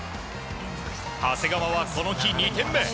長谷川はこの日２点目。